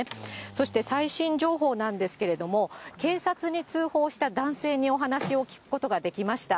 そして最新情報なんですけれども、警察に通報した男性にお話を聞くことができました。